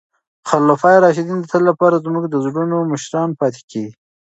خلفای راشدین د تل لپاره زموږ د زړونو مشران پاتې کیږي.